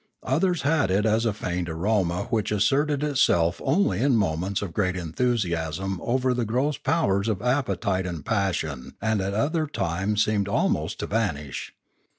Others had it as a faint aroma which asserted itself only in moments of great enthusiasm over the gross powers of appetite and passion and at other times seemed almost to vanish.